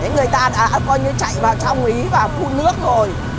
người ta đã coi như chạy vào trong ý và phun nước rồi